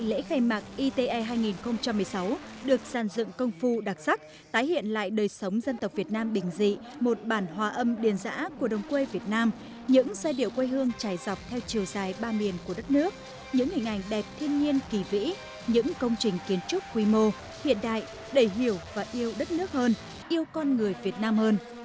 để khai mạc ite hai nghìn một mươi sáu được sàn dựng công phu đặc sắc tái hiện lại đời sống dân tộc việt nam bình dị một bản hòa âm điền giã của đông quê việt nam những giai điệu quê hương trải dọc theo chiều dài ba miền của đất nước những hình ảnh đẹp thiên nhiên kỳ vĩ những công trình kiến trúc quy mô hiện đại đầy hiểu và yêu đất nước hơn yêu con người việt nam hơn